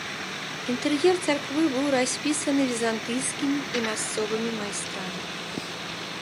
Інтэр'ер царквы быў распісаны візантыйскімі і мясцовымі майстрамі.